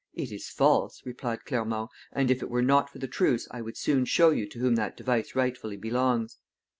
"It is false," replied Clermont; "and if it were not for the truce, I would soon show you to whom that device rightfully belongs."